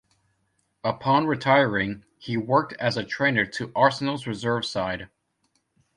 Upon retiring he worked as a trainer to Arsenal's reserve side.